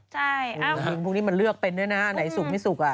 ลิงพวกนี้มันเลือกเป็นด้วยนะไหนสูงไม่สุกอ่ะ